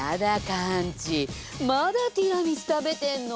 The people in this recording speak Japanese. カンチまだティラミス食べてんの？